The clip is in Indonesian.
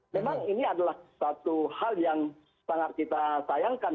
memang ini adalah satu hal yang sangat kita sayangkan